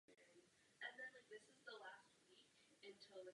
Přes zhoršující se zdraví pokračoval v práci.